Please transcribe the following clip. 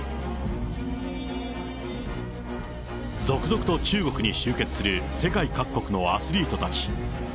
続々と中国に集結する、世界各国のアスリートたち。